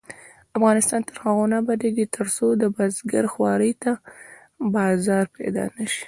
افغانستان تر هغو نه ابادیږي، ترڅو د بزګر خوارۍ ته بازار پیدا نشي.